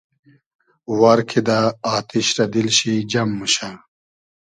وار کیدۂ آتیش رۂ دیل شی جئم موشۂ